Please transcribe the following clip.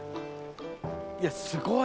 いやすごい！